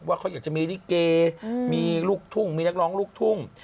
ว่าเขาอยากจะมีลิเกมีลูกทุ่งมีนักร้องลูกทุ่ง